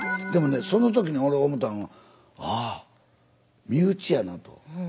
でもねその時に俺思たんはあ身内やなと。